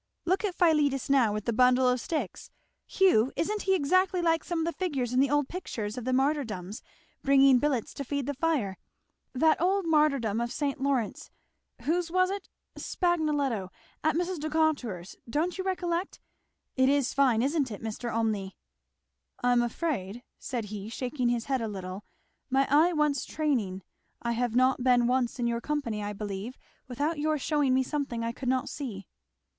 Look at Philetus now with that bundle of sticks Hugh! isn't he exactly like some of the figures in the old pictures of the martyrdoms, bringing billets to feed the fire? that old martyrdom of St. Lawrence whose was it Spagnoletto! at Mrs. Decatur's don't you recollect? It is fine, isn't it, Mr. Olmney?" "I am afraid," said he shaking his head a little, "my eye wants training. I have not been once in your company I believe without your shewing me something I could not see."